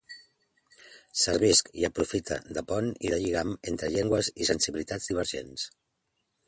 Servisc i aprofite de pont i de lligam entre llengües i sensibilitats divergents.